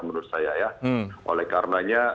menurut saya ya oleh karenanya